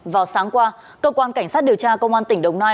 vào sáng qua cơ quan cảnh sát điều tra công an tỉnh đồng nai